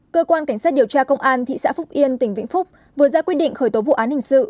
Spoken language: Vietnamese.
cơ quan cảnh sát điều tra công an thị xã phúc yên tỉnh vĩnh phúc vừa ra quyết định khởi tố vụ án hình sự